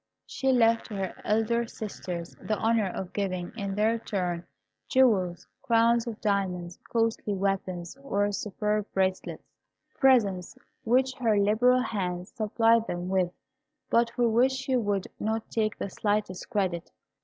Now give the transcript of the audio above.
She left to her elder sisters the honour of giving, in their turn, jewels, crowns of diamonds, costly weapons, or superb bracelets, presents which her liberal hand supplied them with, but for which she would not take the slightest credit.